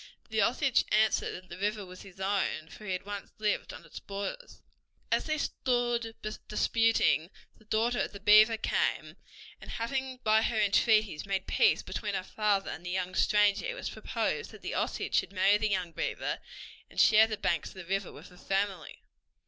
The Osage answered that the river was his own, for he had once lived on its borders. As they stood disputing, the daughter of the beaver came, and having by her entreaties made peace between her father and the young stranger, it was proposed that the Osage should marry the young beaver, and share the banks of the river with her family.